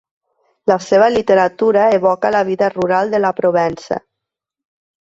La seva literatura evoca la vida rural de la Provença.